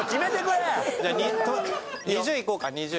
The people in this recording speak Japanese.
２０いこうか２０。